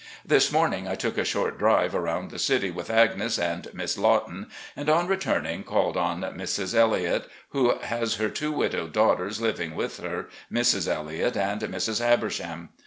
This morning I took a short drive around the city with Agnes and Miss Lawton, and on returning called on Mrs. ElHot, who has her two widowed daughters living with her, Mrs. Elliot and Mrs. Habersham.